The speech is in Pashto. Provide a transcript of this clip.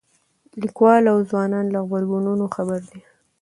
لیکوال د ځوانانو له غبرګونونو خبر دی.